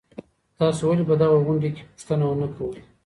تاسو ولي په دغه غونډې کي پوښتنه نه کوئ؟